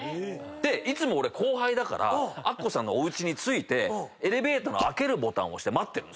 いつも俺後輩だからアッコさんのおうちに着いてエレベーターのボタンを押して待ってる。